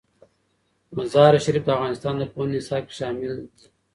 مزارشریف د افغانستان د پوهنې نصاب کې شامل دي.